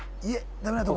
ダメなとこ。